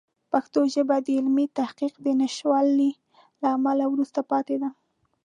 پښتو ژبه د علمي تحقیق د نشتوالي له امله وروسته پاتې ده.